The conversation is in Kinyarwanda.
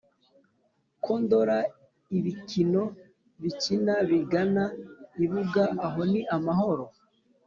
Ko ndora ibikino bikina bigana ibuga Aho ni amahoro ?